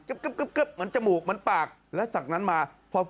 เหมือนจมูกเหมือนปากแล้วจากนั้นมาพอ